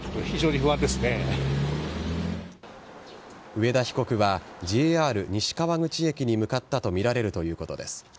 上田被告はＪＲ西川口駅に向かったとみられるということです。